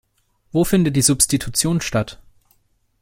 Wo findet die Substitution statt?